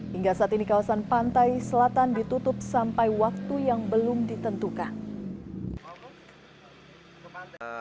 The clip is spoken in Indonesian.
hingga saat ini kawasan pantai selatan ditutup sampai waktu yang belum ditentukan